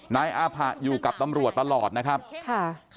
นายอาผะอยู่กับตำรวจตลอดนะครับค่ะ